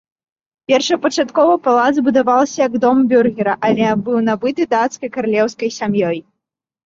Першапачаткова палац будаваўся як дом бюргера, але быў набыты дацкай каралеўскай сям'ёй.